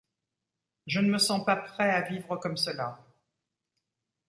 Je ne me sens pas prêt à vivre comme cela.